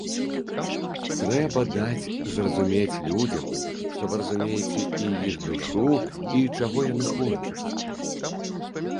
Трэба даць зразумець людзям, што вы разумееце і іх душу, і чаго яны хочуць.